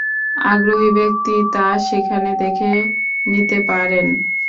আগ্রহী ব্যক্তি তা সেখানে দেখে নিতে পারেন।